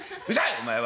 お前は。